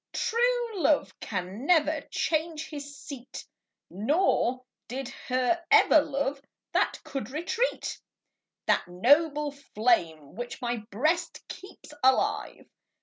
True love can never change his seat ; Nor did he ever love that can retreat. That noble flame, which my Ijreast keeps alive.